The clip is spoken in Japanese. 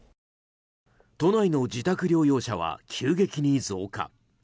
都内の自宅療養者は急激に増加。